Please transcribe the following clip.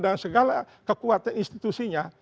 dan segala kekuatan institusinya